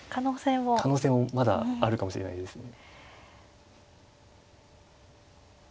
可能性もまだあるかもしれないですね。